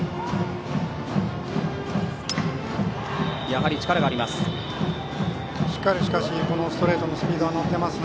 やはり力があります。